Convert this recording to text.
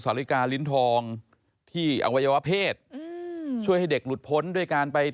ไปทำอะไรที่พวัยเผชเด็กอะไรอย่างนี้